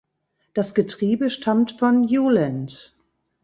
Das Getriebe stammte von Hewland.